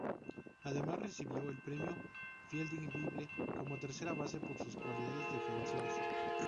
Además, recibió el Premio Fielding Bible como tercera base por sus cualidades defensivas.